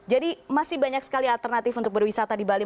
jadi masih banyak sekali alternatif untuk berwisata di bali